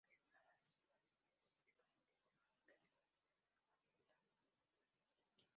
Adicional a esto, varios medios indicaron que dejaron la ciudad con importantes deudas pendientes.